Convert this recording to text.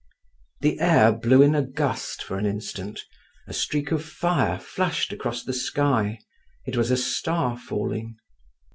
The air blew in a gust for an instant; a streak of fire flashed across the sky; it was a star falling.